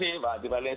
terima kasih pak jumat